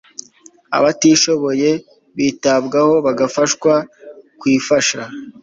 abatishoboye bitabwaho bagafashwa kwifasha